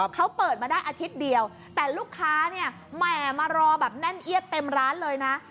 เขาเปิดมาได้อาทิตย์เดียวแต่ลูกค้าเนี่ยแหมมารอแบบแน่นเอียดเต็มร้านเลยนะ